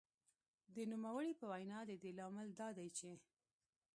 د نوموړې په وینا د دې لامل دا دی چې